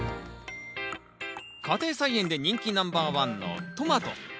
家庭菜園で人気ナンバー１のトマト。